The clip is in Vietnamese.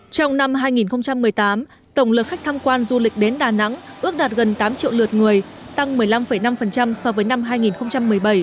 trong năm hai nghìn một mươi tám tổng lượt khách tham quan du lịch đến đà nẵng ước đạt gần tám triệu lượt người tăng một mươi năm năm so với năm hai nghìn một mươi bảy